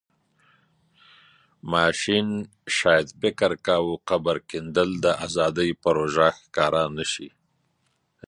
ماشین شاید فکر کاوه قبر کیندل د ابادۍ پروژه ښکاره نشي.